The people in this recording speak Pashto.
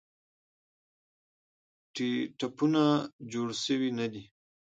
ټپونه جوړ سوي نه دي.